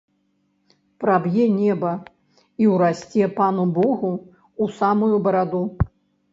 Праб'е неба і ўрасце пану богу ў самую бараду.